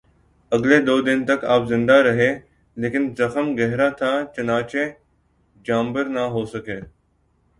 اگلے دو دن تک آپ زندہ رہے لیکن زخم گہرا تھا، چنانچہ جانبر نہ ہو سکے